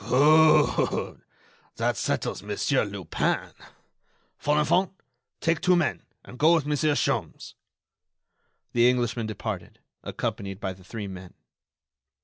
"Good! That settles Monsieur Lupin.... Folenfant, take two men, and go with Monsieur Sholmes." The Englishman departed, accompanied by the three men.